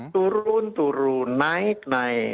turun turun naik naik